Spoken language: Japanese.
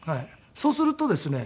そうするとですね